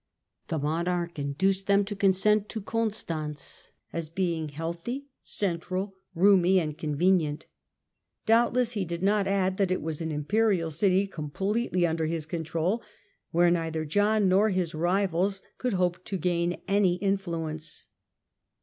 The monarch induced them to consent to Constance as being healthy, central, roomy and convenient. Doubtless he did not add that it was an Imperial city completely under his control, where neither John nor his rivals could hope to gain any in fluence.